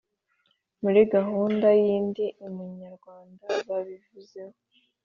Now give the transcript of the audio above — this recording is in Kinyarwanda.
Muri gahunda y’ Ndi Umunyarwanda babivuzeho